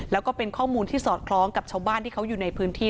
แล้วก็เป็นข้อมูลที่สอดคล้องกับชาวบ้านที่เขาอยู่ในพื้นที่